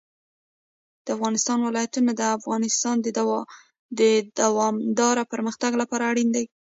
د افغانستان ولايتونه د افغانستان د دوامداره پرمختګ لپاره اړین دي.